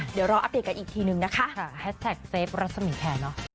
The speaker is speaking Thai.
เดี๋ยวรออัพเดทกันอีกทีนึงนะคะ